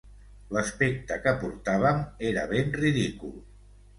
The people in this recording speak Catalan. L'aspecte que portàvem era ben ridícul.